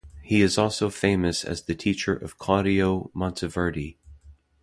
He is also famous as the teacher of Claudio Monteverdi.